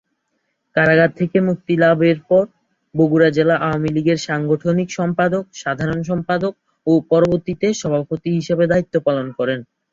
কারাগার থেকে মুক্তি লাভের পর বগুড়া জেলা আওয়ামী লীগের সাংগঠনিক সম্পাদক, সাধারণ সম্পাদক ও পরবর্তীতে সভাপতি হিসেবে দায়িত্ব পালন করেন।